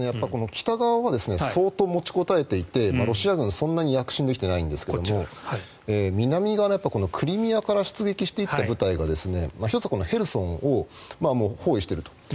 北側は相当持ちこたえていてロシア軍そんなに躍進できてないんですが南、クリミアから出撃していった部隊が１つは、このヘルソンをもう包囲していると。